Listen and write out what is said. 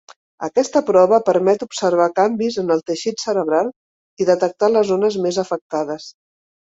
Aquesta prova permet observar canvis en el teixit cerebral i detectar les zones més afectades.